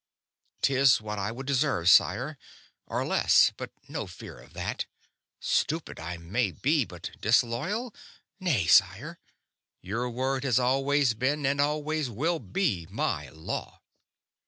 "'Tis what I would deserve, sire, or less; but no fear of that. Stupid I may be, but disloyal? Nay, sire. Your word always has been and always will be my law."